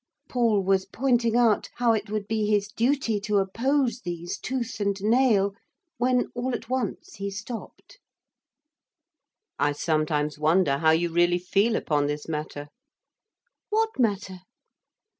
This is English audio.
Paul was pointing out how it would be his duty to oppose these tooth and nail, when, all at once, he stopped. 'I sometimes wonder how you really feel upon this matter.' 'What matter?